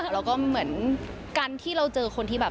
แล้วก็เหมือนการที่เราเจอคนที่แบบ